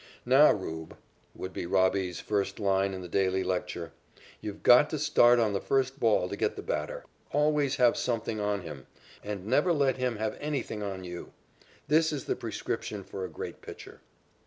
"Now 'Rube,'" would be "Robbie's" first line in the daily lecture, "you've got to start on the first ball to get the batter. Always have something on him and never let him have anything on you. This is the prescription for a great pitcher."